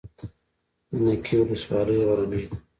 د نکې ولسوالۍ غرنۍ ده